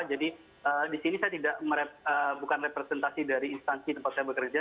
jadi di sini saya bukan representasi dari instansi tempat saya bekerja